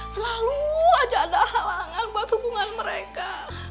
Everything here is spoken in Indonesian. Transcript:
selalu aja ada halangan buat hubungan mereka